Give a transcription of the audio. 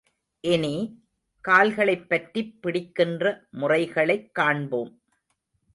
இனி, கால்களைப் பற்றிப் பிடிக்கின்ற முறைகளைக் காண்போம்.